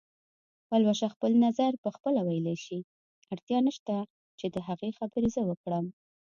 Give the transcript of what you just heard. پلوشه خپل نظر پخپله ویلی شي، اړتیا نشته چې د هغې خبرې زه وکړم